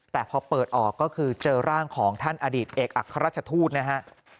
แต่พอเปิดออกก็คือเจอร่างของท่านอดีตเอกอัครราชทูตนะฮะ